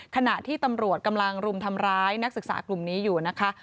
ขณะที่ตำรวจกำลังรุมทำร้ายนักศึกษากลุ่มนี้อยู่นะคะ